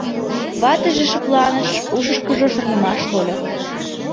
— Ватыже шыпланыш, ушышкыжо шарнымаш тольо.